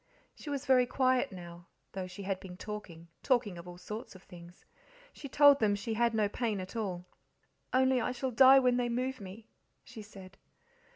She was very quiet now, though she had been talking talking of all sorts of things. She told them she had no pain at all. "Only I shall die when they move me," she said.